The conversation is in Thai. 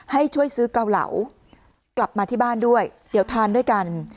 ให้ช่วยซื้อเกาเหลากลับมาที่บ้านด้วยเดี๋ยวทานด้วยกัน